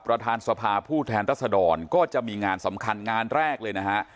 ประธานสภาผู้แทนรัศดรก็จะมีงานสำคัญงานแรกเลยนะฮะ